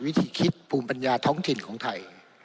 วิธีคิดภูมิปัญญาท้องถิ่นของไทย